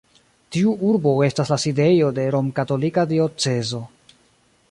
Tiu urbo estas la sidejo de romkatolika diocezo.